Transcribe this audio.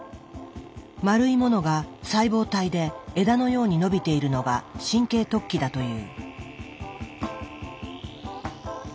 丸いものが細胞体で枝のようにのびているのが神経突起だという。